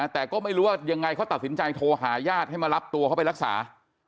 แต่ก็ไม่รู้ว่ายังไงเขาตัดสินใจโทรหาญาติให้มารับตัวเขาไปรักษา